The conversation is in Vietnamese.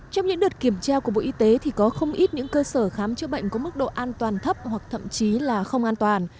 trong những đợt kiểm tra của bộ y tế thì có không ít những cơ sở khám chữa bệnh có mức độ an toàn thấp hoặc thậm chí là không an toàn